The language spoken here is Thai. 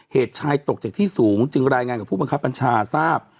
เหตุชายตกจากที่สูงจึงรายงานกับผู้บังคับบัญชาทราบ